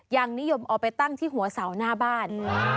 ยังนิยมเอาไปตั้งที่หัวเสาหน้าบ้าน